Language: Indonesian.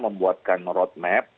membuatkan road map